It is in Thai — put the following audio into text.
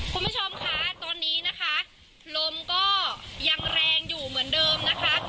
คุณผู้ชมค่ะตอนนี้นะคะลมก็ยังแรงอยู่เหมือนเดิมนะคะ